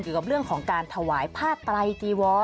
อยู่กับเรื่องของการถวายผ้าตรายจีวร